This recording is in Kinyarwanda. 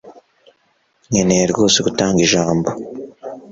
Nkeneye rwose gutanga ijambo